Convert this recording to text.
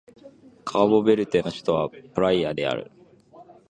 カーボベルデの首都はプライアである